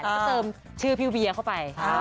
ก็เติมชื่อพี่เวียเข้าไป